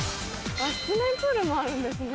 室内プールもあるんですね。